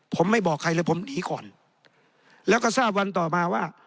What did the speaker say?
ผมไม่บอกใครเลยผมหนีก่อนแล้วก็ทราบวันต่อมาว่า